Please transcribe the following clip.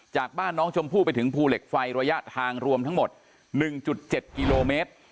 จากบ้านน้องชมพู่ไปถึงภูเหล็กไฟระยะทางรวมทั้งหมด๑๗กิโลเมตร